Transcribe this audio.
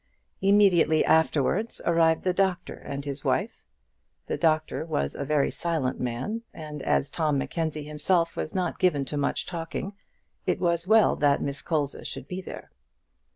Immediately afterwards arrived the doctor and his wife. The doctor was a very silent man, and as Tom Mackenzie himself was not given to much talking, it was well that Miss Colza should be there.